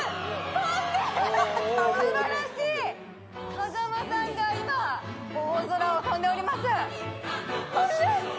風間さんが今、大空を飛んでおります。